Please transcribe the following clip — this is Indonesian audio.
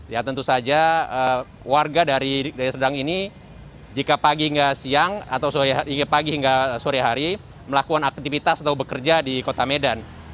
ya tentu saja warga dari deli serdang ini jika pagi hingga siang atau pagi hingga sore hari melakukan aktivitas atau bekerja di kota medan